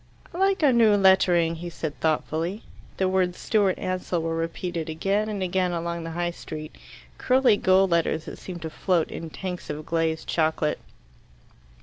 "I like our new lettering," he said thoughtfully. The words "Stewart Ansell" were repeated again and again along the High Street curly gold letters that seemed to float in tanks of glazed chocolate.